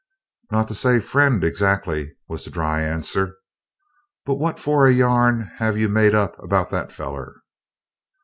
"Not to say friend, exactly," was the dry answer, "but what fer a yarn have you made up about that feller?"